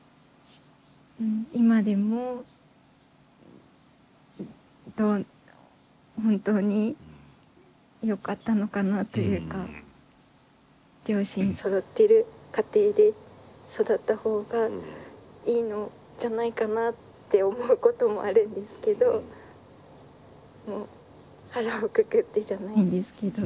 今でも本当によかったのかなというか両親そろってる家庭で育った方がいいんじゃないかなって思うこともあるんですけど腹をくくってじゃないんですけど。